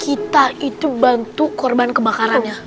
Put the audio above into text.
kita itu bantu korban kebakarannya